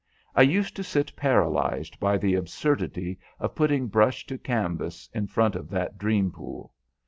I used to sit paralysed by the absurdity of putting brush to canvas in front of that dream pool.